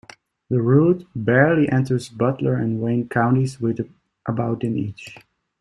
The route barely enters Butler and Wayne Counties with about in each.